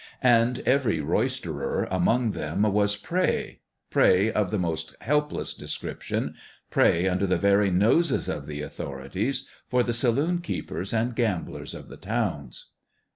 And every roisterer among them was prey prey of the most helpless de scription prey under the very noses of the authorities for the saloon keepers and gamblers of the towns.